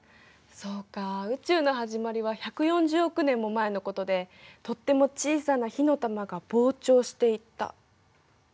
そうか「宇宙のはじまり」は１４０億年も前のことでとっても小さな火の玉が膨張していった。